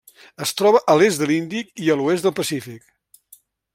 Es troba a l'est de l'Índic i a l'oest del Pacífic.